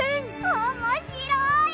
おもしろい！